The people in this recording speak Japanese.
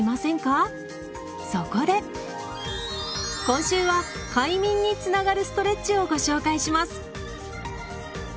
今週は「快眠」につながるストレッチをご紹介します。